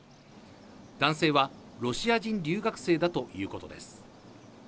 男性はロシア人留学生だということです。